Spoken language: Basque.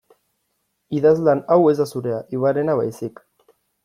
Idazlan hau ez da zurea Ivanena baizik.